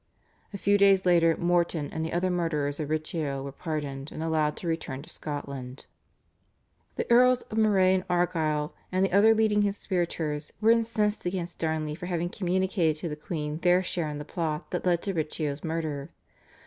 A few days later Morton and the other murderers of Riccio were pardoned, and allowed to return to Scotland. The Earls of Moray and Argyll and the other leading conspirators were incensed against Darnley for having communicated to the queen their share in the plot that led to Riccio's murder.